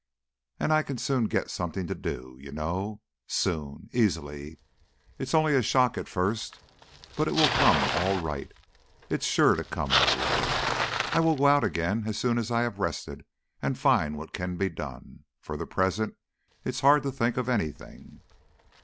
And I can soon get something to do, you know. Soon.... Easily.... It's only a shock at first. But it will come all right. It's sure to come right. I will go out again as soon as I have rested, and find what can be done. For the present it's hard to think of anything...."